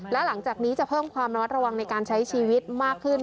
และหลังจากนี้จะเพิ่มความระมัดระวังในการใช้ชีวิตมากขึ้น